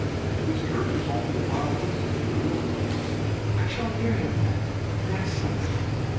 "His church is only a mile distant, in the village." "I shall hear him, then, next Sunday.